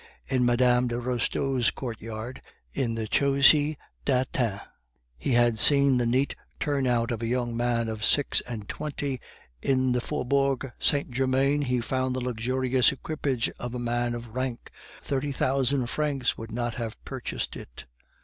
In Mme. de Restaud's courtyard, in the Chaussee d'Antin, he had seen the neat turnout of a young man of six and twenty; in the Faubourg Saint Germain he found the luxurious equipage of a man of rank; thirty thousand francs would not have purchased it.